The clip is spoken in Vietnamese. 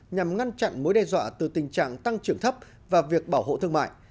nhằm ngăn chặn mối đe dọa từ tình trạng tăng trưởng thấp và việc bảo hộ thương mại